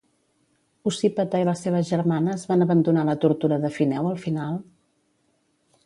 Ocípete i les seves germanes van abandonar la tortura de Fineu al final?